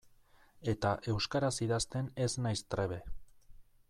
Eta euskaraz idazten ez naiz trebe.